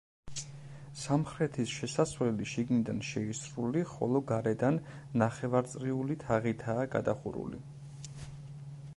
სამხრეთის შესასვლელი შიგნიდან შეისრული, ხოლო გარედან ნახევარწრიული თაღითაა გადახურული.